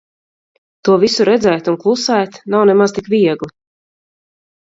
To visu redzēt un klusēt nav nemaz tik viegli.